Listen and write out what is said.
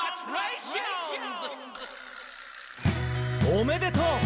「おめでとう！」